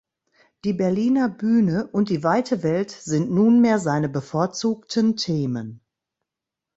Die Berliner Bühne und die weite Welt sind nunmehr seine bevorzugten Themen.